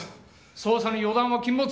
捜査に予断は禁物！